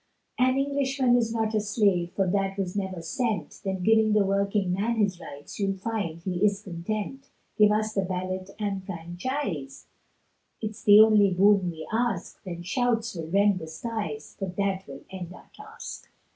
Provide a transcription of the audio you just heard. An Englishman is not a slave, For that was never sent, Then give the working man his rights, You'll find he is content; Give us the ballot and franchise, It's the only boon we ask, Then shouts will rend the skies, For that will end our task.